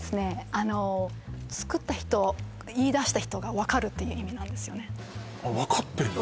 あの作った人言い出した人が分かるっていう意味なんですよね分かってる